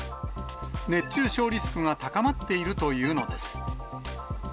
熱中症リスクが高まっているというのです。